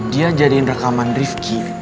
dia jadiin rekaman rifqi